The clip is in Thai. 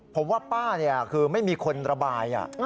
ผมว่าป้าคือไม่มีคนระบาย